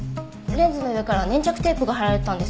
レンズの上から粘着テープが貼られてたんです。